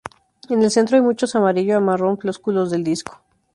En el centro hay muchos amarillo a marrón flósculos del disco.